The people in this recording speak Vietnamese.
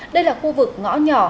đây là khu vực ngõ nhỏ